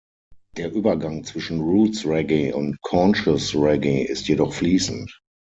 Der Übergang zwischen Roots Reggae und Conscious Reggae ist jedoch fließend.